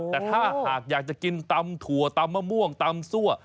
แต่ถ้าหากอยากจะกินตำถั่วตำมะม่วงตำซั่ว